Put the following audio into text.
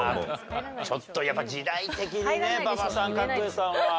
ちょっとやっぱ時代的にね馬場さん角栄さんは。